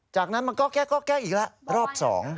จากนั้นไปแกะอีกแล้วรอบ๒